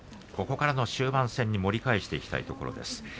ここからの終盤戦で盛り返していきたいところです。